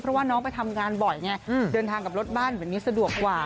เพราะว่าน้องไปทำงานบ่อยไงเดินทางกับรถบ้านแบบนี้สะดวกกว่า